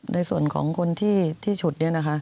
ในส่วนของคนที่ฉุด